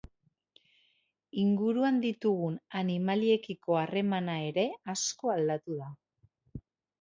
Inguruan ditugun animaliekiko harremana ere asko aldatu da.